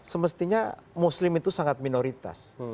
semestinya muslim itu sangat minoritas